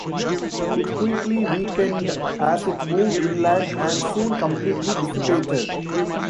It quickly weakened as it moved inland, and soon completely dissipated.